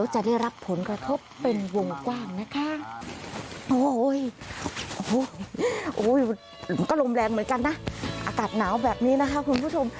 เหมือนกันนะอากาศหนาวแบบนี้นะคะคุณผู้ชม